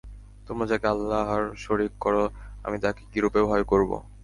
তোমরা যাকে আল্লাহর শরীক কর আমি তাকে কিরূপে ভয় করব?